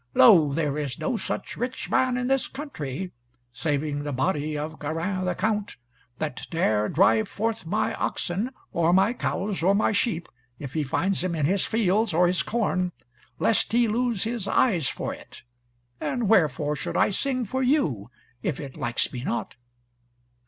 Lo, there is no such rich man in this country, saving the body of Garin the Count, that dare drive forth my oxen, or my cows, or my sheep, if he finds them in his fields, or his corn, lest he lose his eyes for it, and wherefore should I sing for you, if it likes me not?"